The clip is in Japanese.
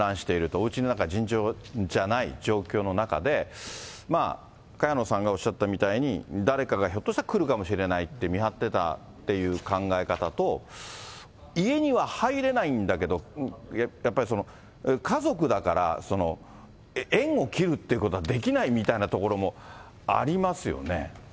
おうちの中が尋常じゃない状況の中で、萱野さんがおっしゃったみたいに、誰かがひょっとしたら来るかもしれないって見張ってたっていう考え方と、家には入れないんだけど、やっぱり、家族だから、縁を切るっていうことはできないみたいなところもありますよね。